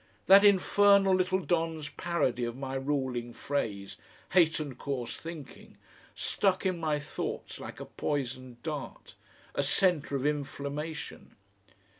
That infernal little don's parody of my ruling phrase, "Hate and coarse thinking," stuck in my thoughts like a poisoned dart, a centre of inflammation.